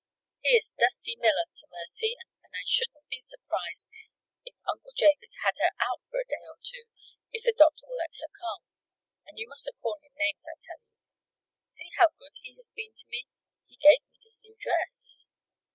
"He is 'Dusty Miller' to Mercy, and I shouldn't be surprised if Uncle Jabez had her out for a day or two, if the doctor will let her come. And you mustn't call him names, I tell you. See how good he has been to me. He gave me this new dress."